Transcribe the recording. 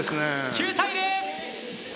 ９対０。